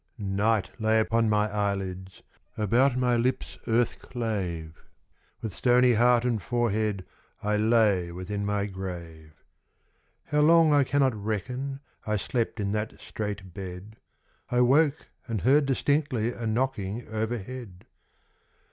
Night lay upon my eyelids, About my lips earth clave; With stony heart and forehead I lay within my grave. How long I cannot reckon, I slept in that strait bed; I woke and heard distinctly A knocking overhead.